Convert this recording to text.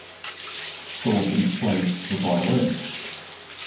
Sullivan plays the violin.